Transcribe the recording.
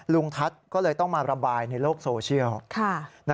ลุงทัศน์ก็เลยต้องมาระบายในโลกโซเชียล